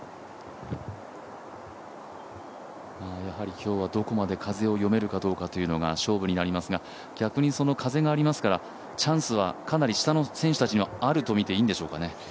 今日はどこまで風を読めるかどうかというのが勝負になりますが、逆にその風がありますからチャンスはかなり下の選手たちにはあるとみていいんですかね。